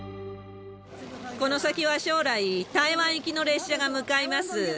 この先は将来、台湾行きの列車が向かいます。